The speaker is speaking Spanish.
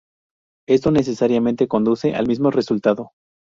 Esto, necesariamente conduce al mismo resultado.